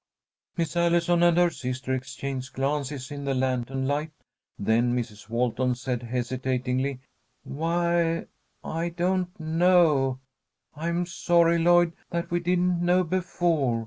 Miss Allison and her sister exchanged glances in the lantern light, then Mrs. Walton said, hesitatingly: "Why I don't know I'm sorry, Lloyd, that we didn't know before.